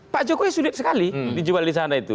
pak jokowi sulit sekali dijual disana itu